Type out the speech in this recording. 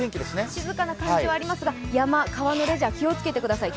静かな感じはありますが、山・川のレジャー、気をつけてください